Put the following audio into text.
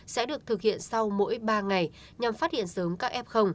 sẽ được thực hiện sau mỗi ba ngày nhằm phát hiện sớm các f